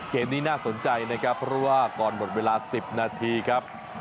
เกมนี้น่าสนใจนะครับเพราะว่าก่อนหมดเวลา๑๐นาทีครับ